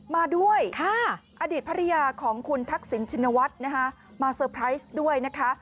มาด้วยอดีตภรรยาของคุณทักษิณชินวัฒน์นะคะมาเตอร์ไพรส์ด้วยนะคะ